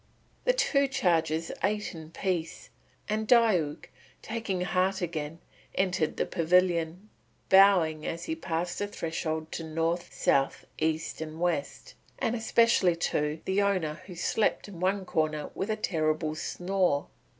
The two chargers ate in peace, and Diuk, taking heart again, entered the pavilion, bowing as he passed the threshold to North, South, East, and West, and especially to the owner who slept in one corner with a terrible snore.